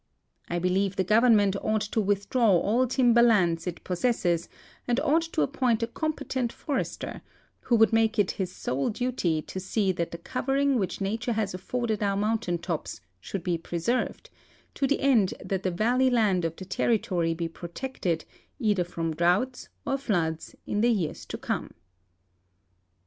I believe the government ought to withdraw all timber lands it pos sesses and ought to appoint a competent forester who would make it his sole duty to see that the covering which nature has afl'orded our moun " tain tops should be preserved, to the end that the valley land of the terri tory be protected either from droughts or floods in the years to come.